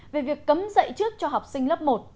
về việc cấm dạy trước cho học sinh lớp một